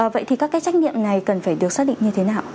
vậy thì các cái trách nhiệm này cần phải được xác định như thế nào